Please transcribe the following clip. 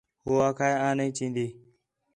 ہو آکھا ہِے آں نہیں چین٘دا